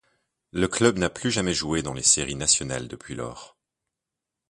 Le club n'a plus jamais joué dans les séries nationales depuis lors.